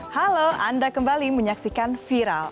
halo anda kembali menyaksikan viral